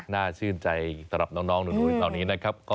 น่าชื่นใจสำหรับน้องหนูตอนนี้นะครับ